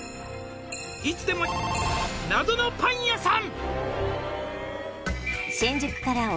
「いつでも○○謎のパン屋さん」